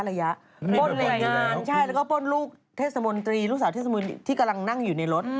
ปล้นแรงงานใช่แล้วก็ป้นลูกเทศมนตรีลูกสาวเทศมนตรีที่กำลังนั่งอยู่ในรถ